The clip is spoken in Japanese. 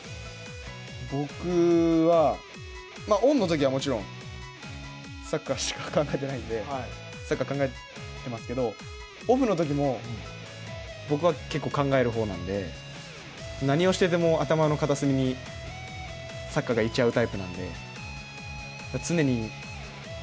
僕は、オンのときはもちろん、サッカーしか考えてないんで、サッカー考えてますけど、オフのときも、僕は結構、考えるほうなんで何をしてても、頭の片隅にサッカーがいちゃうタイプなんで。